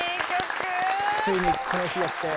ついにこの日が来たよ。